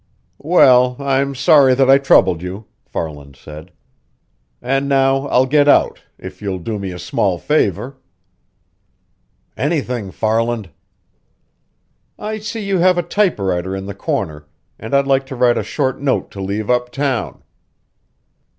"Well, I'm sorry that I troubled you," Farland said. "And now, I'll get out if you'll do me a small favor." "Anything, Farland." "I see you have a typewriter in the corner, and I'd like to write a short note to leave uptown."